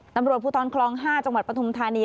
ตำรวจภูทรคลอง๕จังหวัดปฐุมธานี